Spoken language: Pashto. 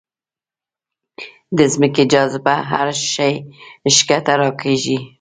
د ځمکې جاذبه هر شی ښکته راکاږي.